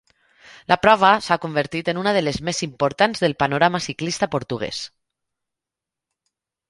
La prova s'ha convertit en una de les més importants del panorama ciclista portuguès.